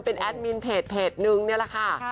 เป็นแอดมินเพจนึงนี่แหละค่ะ